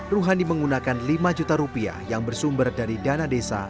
ruhani menggunakan lima juta rupiah yang bersumber dari dana desa